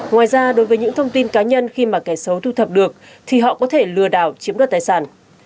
ngoài ra đối với những thông tin cá nhân khi mà kẻ xấu thu thập được thì họ có thể lừa đảo chiếm đoạt tài sản